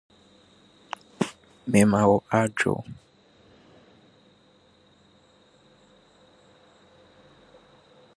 The tundra-like landscape then evolved to a mix of alpine forest and meadows.